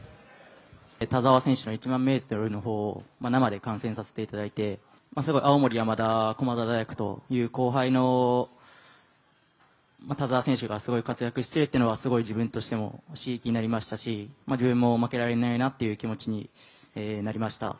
田澤選手の１００００ｍを生で観戦させてもらって青森山田、駒澤大学と後輩の田澤選手がすごい活躍しているというのは自分としてもすごく自信になりましたし自分も負けられないなという気持ちになりました。